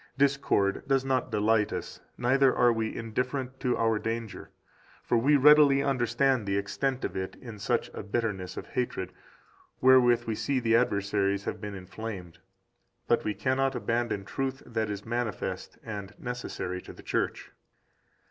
Discord does not delight us, neither are we indifferent to our danger; for we readily understand the extent of it in such a bitterness of hatred wherewith we see that the adversaries have been inflamed. But we cannot abandon truth that is manifest and necessary to the Church.